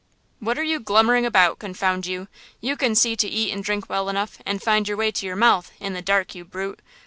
"What are you glummering about, confound you? You can see to eat and drink well enough and find your way to your mouth, in the dark, you brute!"